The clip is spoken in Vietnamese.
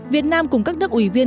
việt nam cùng các nước ủy vụ